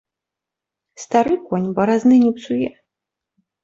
Стары конь баразны не псуе.